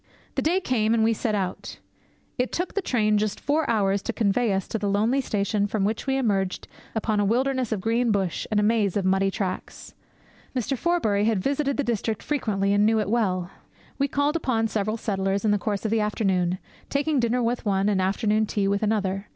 The day came, and we set out. It took the train just four hours to convey us to the lonely station from which we emerged upon a wilderness of green bush and a maze of muddy tracks. Mr. Forbury had visited the district frequently, and knew it well. We called upon several settlers in the course of the afternoon, taking dinner with one, and afternoon tea with another.